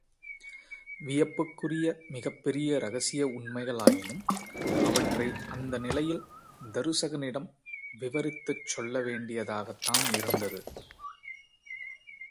வியப்புக்குரிய மிகப் பெரிய இரகசிய உண்மைகளாயினும் அவற்றை அந்த நிலையில் தருசகனிடம் விவரித்துச் சொல்ல வேண்டியதாகத்தான் இருந்தது.